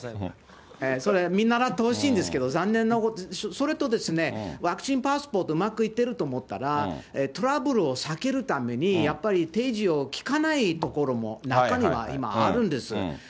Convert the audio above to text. それ、見習ってほしいんですけど、残念、それとですね、ワクチンパスポート、うまくいってると思ったら、トラブルを避けるために、やっぱり提示を聞かないところも中には今あるんです。